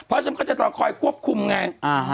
เพราะฉันก็จะต้องคอยควบคุมไง